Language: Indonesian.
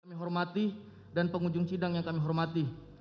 kami hormati dan pengunjung sidang yang kami hormati